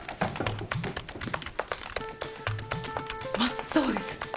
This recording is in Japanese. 真っ青です。